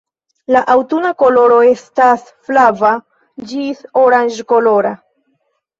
La aŭtuna koloro estas flava ĝis oranĝkolora.